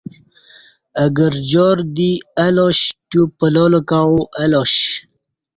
اہ گرجار دی اہ لاش تیو پلال کعو الا ش